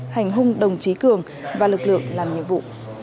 hành hung đồng chí cường và lực lượng làm nhiệm vụ